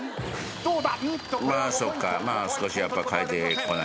どうだ